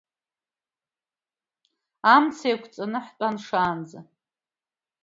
Амца еиқәҵаны ҳтәан шаанӡа.